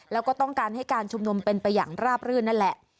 แล้วก็ต้องการให้การชุมนุมเป็นไปอย่างราบรื่นนั่นแหละ